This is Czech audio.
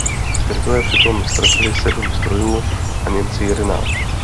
Britové při tom ztratili sedm strojů a Němci jedenáct.